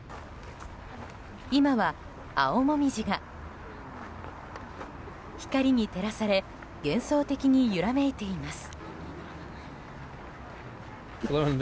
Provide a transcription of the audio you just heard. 今は、青モミジが光に照らされ幻想的に揺らめいています。